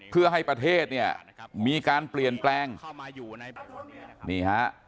เพื่อให้ประเทศเนี่ยมีการเปลี่ยนแปลงนี่ฮะ